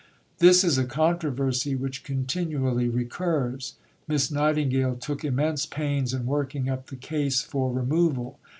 This is a controversy which continually recurs. Miss Nightingale took immense pains in working up the case for removal.